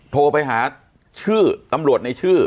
โทรไปหาชื่อตำรวจในชื่อ